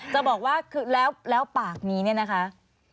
จะบอกว่าแล้วปากนี้นะคะ